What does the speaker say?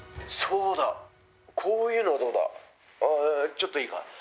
ちょっといいか。